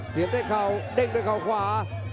เสียบด้วยเข่าเด้งด้วยเขาขวา